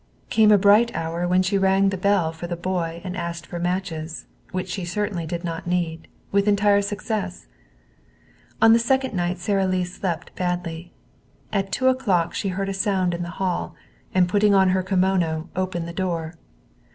Came a bright hour when she rang the bell for the boy and asked for matches, which she certainly did not need, with entire success. On the second night Sara Lee slept badly. At two o'clock she heard a sound in the hall, and putting on her kimono, opened the door.